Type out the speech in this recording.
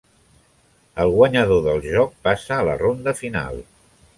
El guanyador del joc passa a la ronda final.